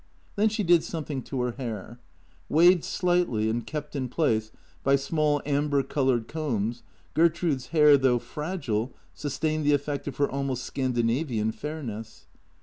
Then she did some thing to her hair. Waved slightly and kept in place by small amber coloured combs, Gertrude's hair, though fragile, sustained the effect of her almost Scandinavian fairness.